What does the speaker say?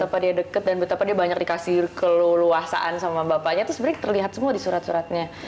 kenapa dia deket dan betapa dia banyak dikasih keleluasaan sama bapaknya itu sebenarnya terlihat semua di surat suratnya